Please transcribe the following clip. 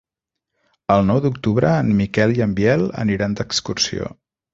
El nou d'octubre en Miquel i en Biel aniran d'excursió.